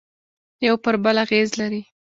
یوه پر بل اغېز لري